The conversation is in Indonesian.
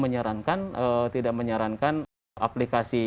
menyarankan tidak menyarankan aplikasi